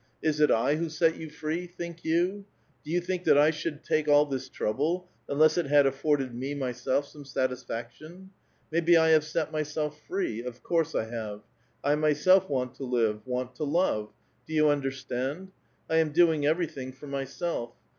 Is it I who set you free, think you ? Do you think that I should take all this trouble, unless it had afforded me myself some satisfac tion? Maybe I have set myself free ; of course, I have. I myself want to live, want to love; do you understand? I •am doing everything for myself.